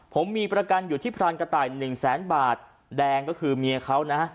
ผมมีประกันอยู่ที่พรานกระต่ายหนึ่งแสนบาทแดงก็คือเมียเขานะ